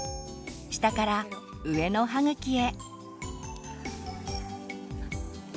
下から上の歯茎へ。